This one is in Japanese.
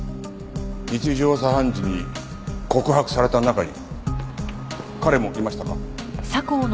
日常茶飯事に告白された中に彼もいましたか？